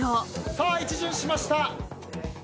さあ一巡しました。